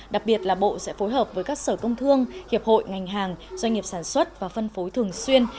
đặc biệt là bộ sẽ phối hợp với các sở công thương hiệp hội ngành hàng doanh nghiệp sản xuất và phân phối thường xuyên